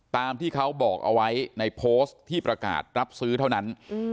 ตามที่เขาบอกเอาไว้ในโพสต์ที่ประกาศรับซื้อเท่านั้น